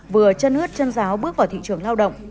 vừa chân ướt chân giáo bước vào thị trường lao động